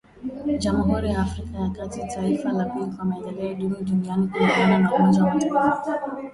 Jamhuri ya Afrika ya kati, taifa la pili kwa maendeleo duni duniani kulingana na umoja wa mataifa